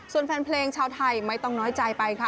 ส่วนแฟนเพลงชาวไทยไม่ต้องน้อยใจไปค่ะ